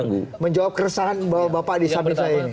bang fajur terakhir menjawab keresahan bahwa bapak disambil saya